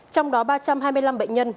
trong đó ba trăm hai mươi năm bệnh nhân